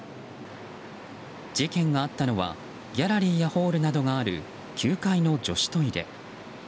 事件があったのはギャラリーやホールなどがある９階の女子トイレ。